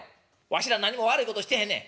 わしら何も悪いことしてへんねん。